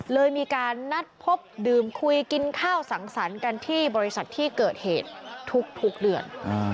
เลยมีการนัดพบดื่มคุยกินข้าวสังสรรค์กันที่บริษัทที่เกิดเหตุทุกเดือน